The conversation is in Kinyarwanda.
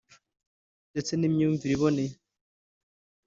ndetse n’ imyumvire iboneye